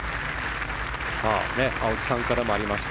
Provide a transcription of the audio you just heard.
青木さんからもありました